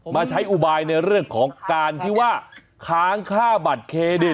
มาใช้อุบายในเรื่องของการที่ว่าค้างค่าบัตรเครดิต